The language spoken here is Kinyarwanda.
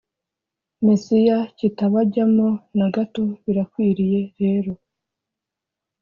Mesiya kitabajyamo na gato Birakwiriye rero